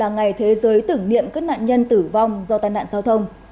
đây là ngày thế giới tưởng niệm các nạn nhân tử vong do tai nạn giao thông